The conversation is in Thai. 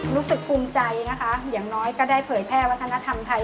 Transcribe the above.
รู้สึกภูมิใจนะคะอย่างน้อยก็ได้เผยแพร่วัฒนธรรมไทย